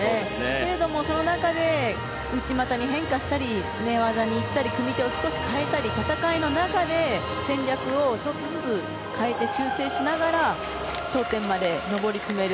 けれども、その中で内股に変化したり寝技にいったり組み手を少し変えたり戦いの中で戦略をちょっとずつ変えて修正しながら頂点まで上り詰める。